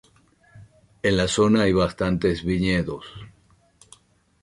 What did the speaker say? En la zona hay bastantes viñedos.